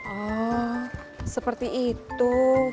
ah seperti itu